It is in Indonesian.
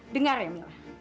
dengar ya mila